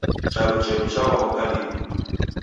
Charo chedu chawewoka linu